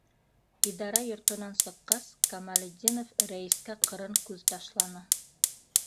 Идара йортонан сыҡҡас, Камалетдинов рәйескә ҡырын күҙ ташланы: